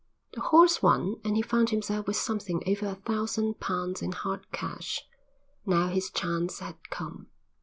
The horse won and he found himself with something over a thousand pounds in hard cash. Now his chance had come.